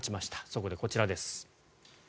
そこで、こちらです。